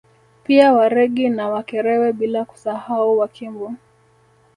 Pia Waregi na Wakerewe bila kusahau Wakimbu